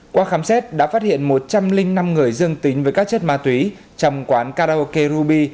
qua khám xét đã phát hiện một trăm linh năm người dương tính với các chất ma túy trong quán karaoke ruby